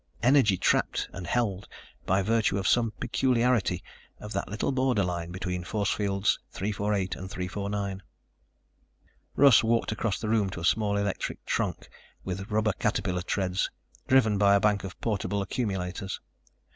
Energy trapped and held by virtue of some peculiarity of that little borderline between Force Fields 348 and 349. Russ walked across the room to a small electric truck with rubber caterpillar treads, driven by a bank of portable accumulators.